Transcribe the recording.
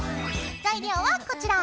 材料はこちら。